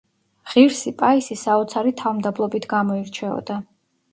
ღირსი პაისი საოცარი თავმდაბლობით გამოირჩეოდა.